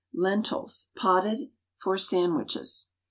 LENTILS (POTTED), FOR SANDWICHES.